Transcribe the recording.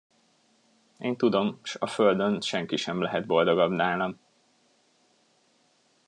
Én tudom, s a földön senki sem lehet boldogabb nálam!